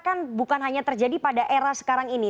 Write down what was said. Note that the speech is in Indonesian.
kan bukan hanya terjadi pada era sekarang ini